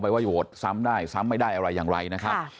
ว่าโหวตซ้ำได้ซ้ำไม่ได้อะไรอย่างไรนะครับ